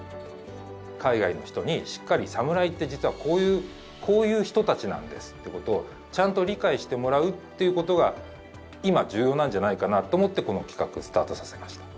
海外の人にしっかり「サムライって実はこういう人たちなんです」ってことをちゃんと理解してもらうっていうことが今重要なんじゃないかなと思ってこの企画スタートさせました。